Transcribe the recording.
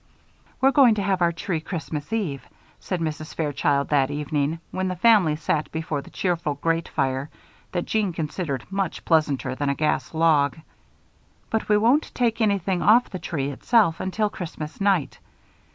"We're going to have our tree Christmas eve," said Mrs. Fairchild, that evening, when the family sat before the cheerful grate fire that Jeanne considered much pleasanter than a gas log. "But we won't take anything off the tree itself until Christmas night.